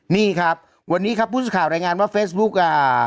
นี่ครับวันนี้ครับผู้สื่อข่าวรายงานว่าเฟซบุ๊คอ่า